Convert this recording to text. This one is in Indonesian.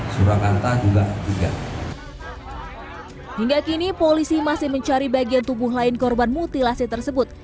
surakarta juga tiga hingga kini polisi masih mencari bagian tubuh lain korban mutilasi tersebut